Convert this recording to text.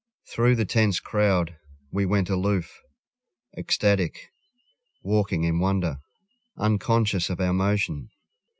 Thru the tense crowd We went aloof, ecstatic, walking in wonder, Unconscious of our motion.